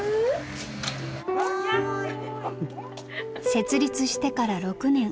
設立してから６年。